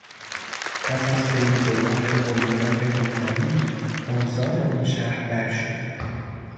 پس از طی دوران پررونق نوپایی، اوضاع آن شهر بد شد.